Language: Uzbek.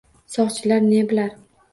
Soqchilar ne bilar